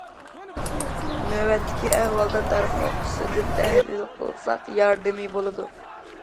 نۆۋەتتىكى ئەھۋالدا، تارىخ نۇقتىسىدىن تەھلىل قىلساق ياردىمى بولىدۇ.